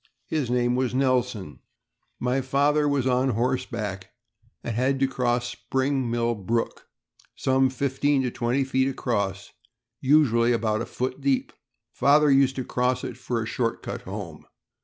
His name was Nelson. My 462 THE AMERICAN BOOK OF THE DOG. father was on horseback, and had to cross Spring Mill Brook — some fifteen to twenty feet across, usually about a foot deep. Father used to cross it for a short cut home.